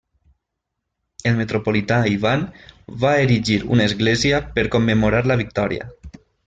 El metropolità Ivan va erigir una església per commemorar la victòria.